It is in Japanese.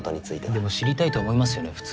でも知りたいと思いますよね普通。